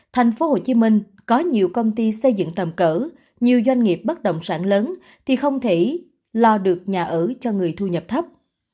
thành phố hồ chí minh có nhiều công ty xây dựng tầm cỡ nhiều doanh nghiệp bất động sản lớn thì không thể lo được nhà ở cho người thu nhập thấp